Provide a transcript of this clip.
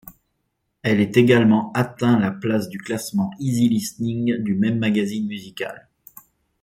Elle est également atteint la place du classement Easy Listening du même magazine musical.